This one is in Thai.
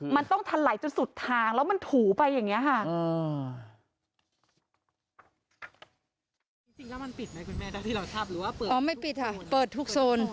มันต้องถลายจนสุดทางแล้วมันถูไปอย่างเนี้ยมันปิดหรือว่าเปิดแน่นอนค่ะ